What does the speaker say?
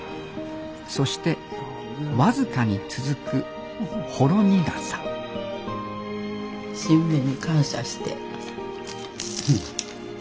そして僅かに続くほろ苦さ新芽に感謝して。